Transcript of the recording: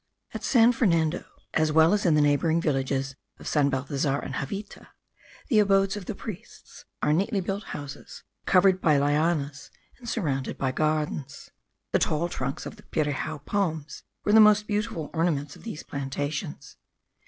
At San Fernando, as well as in the neighbouring villages of San Balthasar and Javita, the abodes of the priests are neatly built houses, covered by lianas, and surrounded by gardens. The tall trunks of the pirijao palms were the most beautiful ornaments of these plantations.